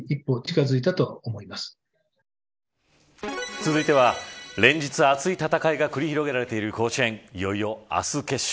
続いては、連日熱い戦いが繰り広げられている甲子園いよいよ明日決勝。